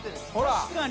確かに。